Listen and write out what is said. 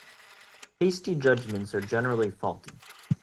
Hasty judgements are generally faulty.